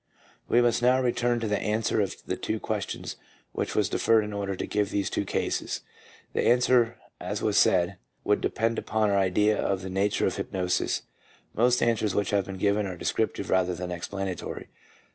We must now return to the answer of the two questions which was deferred in order to give these two cases. The answer, as was said, would depend upon our idea of the nature of hypnosis. Most answers which have been given are descriptive rather than explanatory.